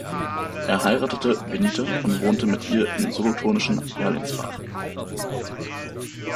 Er heiratete Benita und wohnte mit ihr im solothurnischen Erlinsbach.